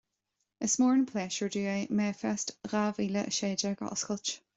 Is mór an pléisiúr dom é MayFest dhá mhíle a sé déag a oscailt